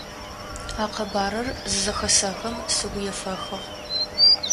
А къэбарыр зызэхэсэхым сыгу ефэхыгъ.